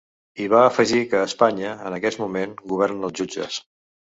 I va afegir que a Espanya, en aquest moment, governen els jutges.